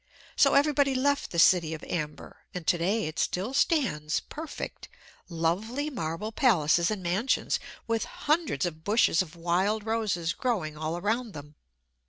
So everybody left the city of Amber, and to day it still stands perfect lovely marble palaces and mansions, with hundreds of bushes of wild roses growing all around them.